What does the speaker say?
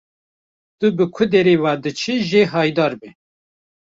Tu bi ku derê ve diçî jê haydar be.